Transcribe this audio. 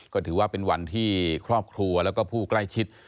ก็ถือว่าเป็นวันที่ครอบครัวแล้วก็ผู้ใกล้ชิด